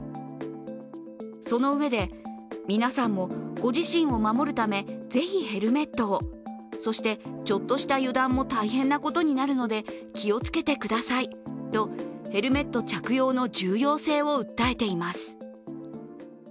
そのうえで、皆さんもご自身を守るため、是非ヘルメットを、そしてちょっとした油断も大変なことになるので気をつけてくださいとヘルメット着用の重要性を訴えています。